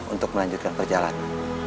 untuk melanjutkan perjalanan